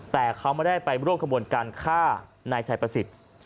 แต่เขาไม่ได้ไปร่วมขบวนการฆ่านายชัยประสิทธิ์